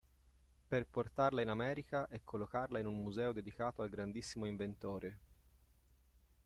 Per portarla in America e collocarla in un museo dedicato al grandissimo inventore…